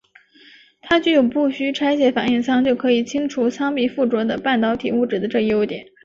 它具有不需拆卸反应舱就可以清除舱壁附着的半导体物质这一优点。